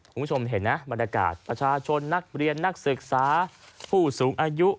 คุณผู้ชมเห็นนะบรรยากาศประชาชนนักเรียนนักศึกษาผู้สูงอายุ